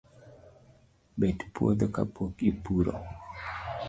Bet puotho kapok ipuro